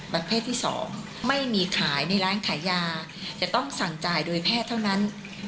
ประเภทที่๒ไม่มีขายในร้านขายยาจะต้องสั่งจ่ายโดยแพทย์เท่านั้น